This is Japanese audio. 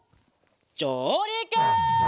じょうりく！